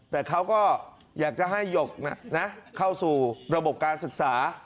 แต่เขาก็อยากจะให้ยนต์เข้าประกอบการศึกษา